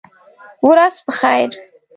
ورځ په خیر !